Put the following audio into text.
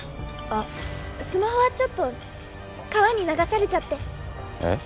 あスマホはちょっと川に流されちゃってえっ？